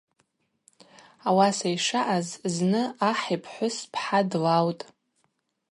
Ауаса йшаъаз зны ахӏ йпхӏвыс пхӏа длаутӏ.